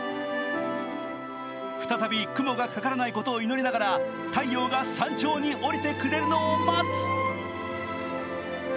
再び雲がかからないことを祈りながら、太陽が山頂におりてくれるのを待つ。